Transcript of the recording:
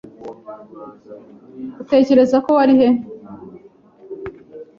Utekereza ko wari he? ”